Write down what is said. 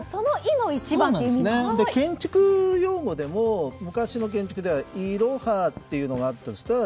建築用語でも昔の建築ではいろはというのがあったとしたら